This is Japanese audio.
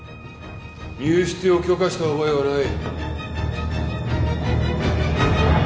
・入室を許可した覚えはない。